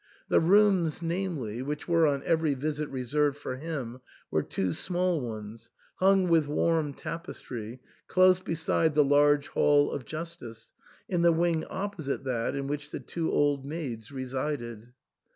The rooms, namely, which were on every visit reserved for him, were two small ones, hung with warm tapestry, close beside the large hall of justice, in the wing opposite that in which the two bid maids resided.